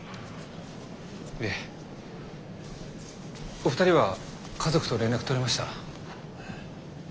お二人は家族と連絡取れました？